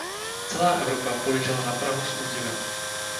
Celá Evropa pohlížela na Prahu s údivem.